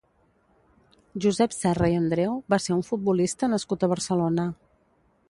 Josep Serra i Andreu va ser un futbolista nascut a Barcelona.